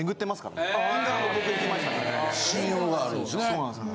そうなんです。